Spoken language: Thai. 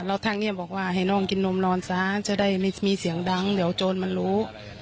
แล้วทางนี้บอกว่าให้น้องกินนมนอนซะจะได้ไม่มีเสียงดังเดี๋ยวโจรมันรู้